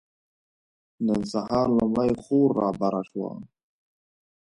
نن سهار لومړۍ خور رابره شوه.